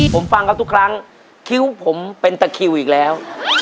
ผมฟังเขาทุกครั้งคิ้วผมเป็นตะคิวอีกแล้ว